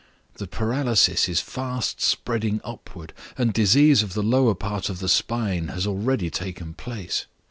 The paralysis is fast spreading upward, and disease of the lower part of the spine has already taken place.